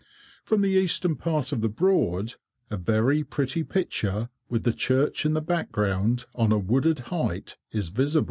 From the eastern part of the Broad, a very pretty picture, with the church in the background, on a wooded height, is visible.